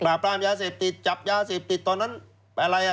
ปรามยาเสพติดจับยาเสพติดตอนนั้นอะไรอ่ะ